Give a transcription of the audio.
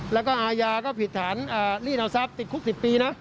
แล้วก็อาญาก็ผิดฐานลีดเอาทรัพย์ติดคุก๑๐ปีนะ